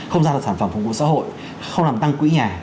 không ra được sản phẩm phục vụ xã hội không làm tăng quỹ nhà